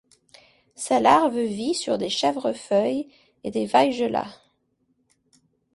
Sa larve vit sur des chèvrefeuilles et des weigelas.